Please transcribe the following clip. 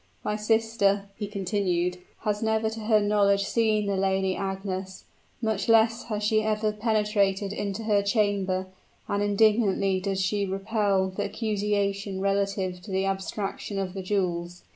My sister," he continued, "has never to her knowledge seen the Lady Agnes; much less has she ever penetrated into her chamber; and indignantly does she repel the accusation relative to the abstraction of the jewels.